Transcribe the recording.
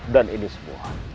dan ini semua